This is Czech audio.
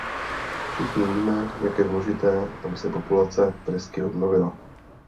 Všichni víme, jak je důležité, aby se populace tresky obnovila.